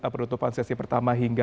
penutupan sesi pertama hingga